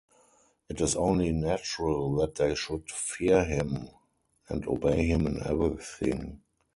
It is only natural that they should fear him and obey him in everything.